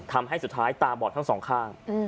ทำให้สุดท้ายตาบอดทั้งสองข้าง